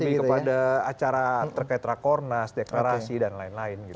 lebih kepada acara terkait rakornas deklarasi dan lain lain gitu